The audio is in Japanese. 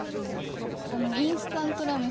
インスタントラーメン